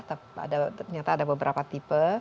ternyata ada beberapa tipe